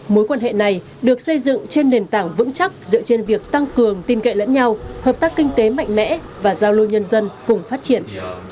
mối quan hệ này được xây dựng trên nền tảng vững chắc dựa trên việc tăng cường tin cậy lẫn nhau hợp tác kinh tế mạnh mẽ và giao lưu nhân dân cùng phát triển